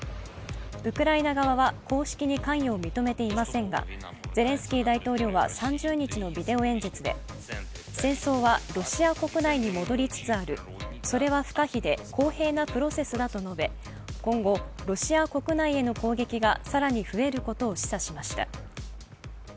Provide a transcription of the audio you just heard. ウクライナ側は公式に関与を認めていませんがゼレンスキー大統領は３０日のビデオ演説で、戦争はロシア国内に戻りつつあるそれは不可避で公平なプロセスだと述べ、今後、ロシア国内への攻撃が更に増えることを示唆しました。